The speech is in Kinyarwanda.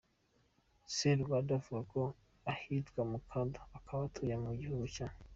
Sserwadda avuka ahitwa Mukono akaba atuye mu gihugu cya.